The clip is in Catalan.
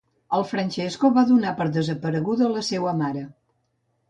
El Francesco va donar per desapareguda la seua mare.